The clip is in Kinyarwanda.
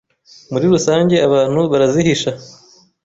muri rusange abantu barazihisha,